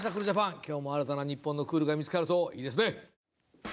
今日も新たな日本のクールが見つかるといいですね。